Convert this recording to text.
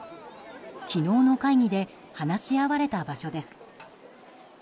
昨日の会議で話し合われた場所です。